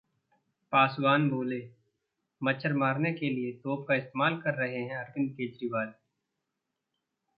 पासवान बोले, मच्छर मारने के लिए तोप का इस्तेमाल कर रहे हैं अरविंद केजरीवाल